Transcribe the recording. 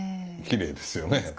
きれいですよね。